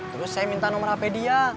terus saya minta nomor hp dia